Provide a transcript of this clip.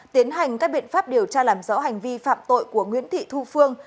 tiến hành các biện pháp điều tra làm rõ hành vi phạm tội của nguyễn thị thu phương